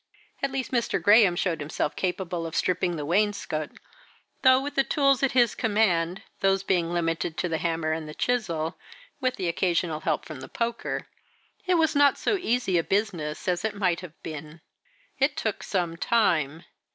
At least Mr. Graham showed himself capable of stripping the wainscot, though with the tools at his command those being limited to the hammer and the chisel, with occasional help from the poker it was not so easy a business as it might have been. It took some time.